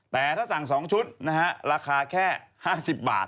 แต่ถ้าสั่ง๒ชุดนะฮะราคาแค่๕๐บาท